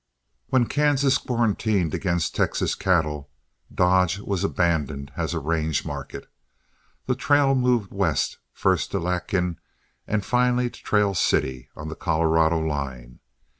When Kansas quarantined against Texas cattle, Dodge was abandoned as a range market. The trail moved West, first to Lakin and finally to Trail City, on the Colorado line.